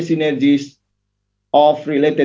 dari partai yang berkaitan